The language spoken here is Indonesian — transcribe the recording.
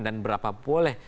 dan berapa boleh